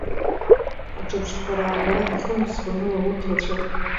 Аҿырԥштәқәа раагара аҭахым, сгәаныла, урҭ рацәоуп.